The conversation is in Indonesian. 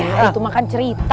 ya itu makan cerita